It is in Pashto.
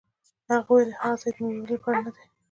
هغه وویل: هغه ځای د معمارۍ لپاره نه دی.